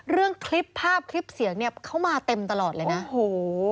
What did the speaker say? เรื่องคลิปภาพคลิปเสียงเนี่ยเขามาเต็มตลอดเลยนะโอ้โห